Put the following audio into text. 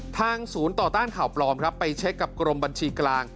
ทางศูนย์ต่อต้านข่าวปลอมครับไปเช็คกับกรมบัญชีกลาง